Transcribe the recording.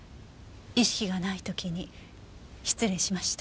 意識がない時に失礼しました。